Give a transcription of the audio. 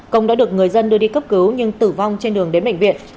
công đã được người dân đưa đi cấp cứu nhưng tử vong trên đường đến bệnh viện